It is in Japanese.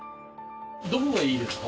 どこがいいですか？